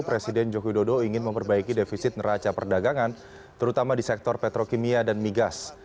presiden joko widodo ingin memperbaiki defisit neraca perdagangan terutama di sektor petrokimia dan migas